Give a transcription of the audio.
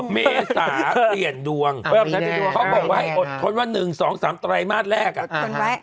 เมษาเปลี่ยนดวงเขาบอกไว้อดทนว่า๑๒๓ตรายมาตรแรกอ่ะ